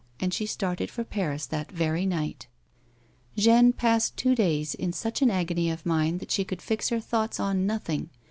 And she started for Paris that very night. Jeanne passed two tlays in such an agony of mind that 250 A WOMAN'S LIFE. she could fix her thoughts on nothing.